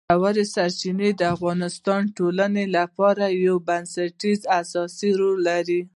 ژورې سرچینې د افغانستان د ټولنې لپاره یو بنسټیز او اساسي رول لري.